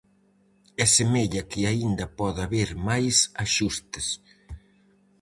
E semella que aínda pode haber máis axustes.